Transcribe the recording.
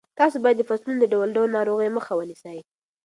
تاسو باید د فصلونو د ډول ډول ناروغیو مخه ونیسئ.